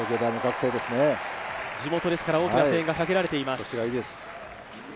地元ですから大きな声援がかけられています。